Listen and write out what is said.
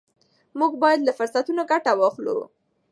موږ باید له فرصتونو ګټه واخلو.